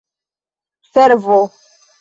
servo